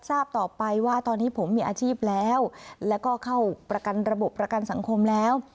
ทราบต่อไปว่าตอนนี้ผมมีอาชีพแล้วแล้วก็เข้าประกันระบบประกันสังคมแล้ว